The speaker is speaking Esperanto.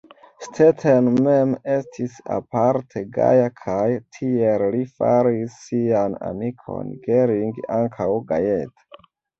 Stetten mem estis aparte gaja kaj tiel li faris sian amikon Gering ankaŭ gajeta.